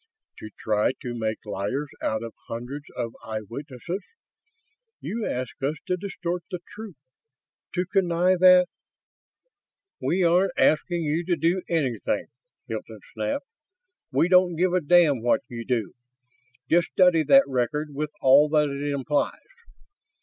"To try to make liars out of hundreds of eyewitnesses? You ask us to distort the truth, to connive at ..." "We aren't asking you to do anything!" Hilton snapped. "We don't give a damn what you do. Just study that record, with all that it implies.